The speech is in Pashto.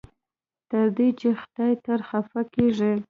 تر دې چې خدای ترې خفه کېږي.